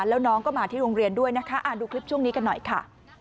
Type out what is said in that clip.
แล้วน้องก็มาที่โรงเรียนด้วยนะคะดูคลิปช่วงนี้กันหน่อยค่ะ